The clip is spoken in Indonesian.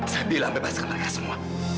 saya bilang bebaskan mereka semua